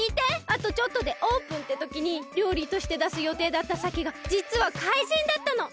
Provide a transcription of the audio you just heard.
あとちょっとでオープンってときにりょうりとしてだすよていだったさけがじつはかいじんだったの！